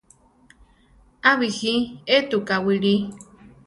A bíji étuka wili.